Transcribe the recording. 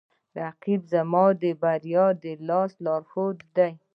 رقیب زما د بریا د لارې لارښود دی